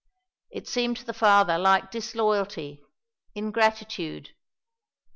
It seemed to the father like disloyalty ingratitude.